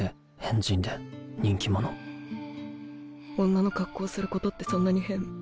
女の格好をすることってそんなに変？